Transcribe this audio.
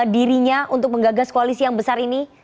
dirinya untuk menggagas koalisi yang besar ini